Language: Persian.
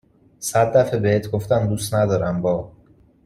صد دفه بهت گفتم دوست ندارم با